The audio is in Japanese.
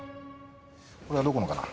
これはどこのかな？